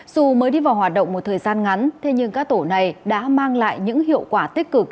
dù mới đi vào hoạt động một thời gian ngắn thế nhưng các tổ này đã mang lại những hiệu quả tích cực